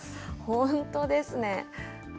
本当ですね。